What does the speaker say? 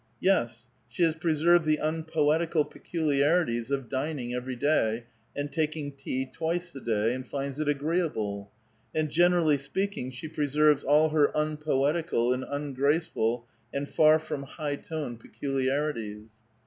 Yes ; she has preserved the unpoetical peculiarities of dining every day, and taking tea twice a day, and finds it agreeable ; and, gcn e»ally speaking, she preserves all her unpoetical and ungrace ful and far from high toned peculiarities.